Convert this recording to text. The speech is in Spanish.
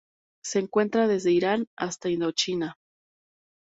Se encuentra desde Irán hasta Indochina.